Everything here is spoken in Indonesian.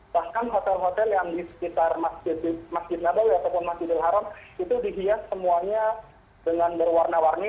bahkan hotel hotel yang di sekitar masjid nabawi ataupun masjidil haram itu dihias semuanya dengan berwarna warni